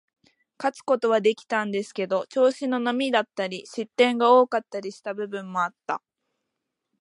勝つことはできたんですけど、調子の波だったり、失点が多かったりした部分もあった。